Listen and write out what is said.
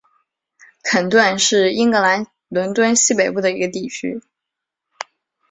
肯顿是英格兰伦敦西北部的一个地区。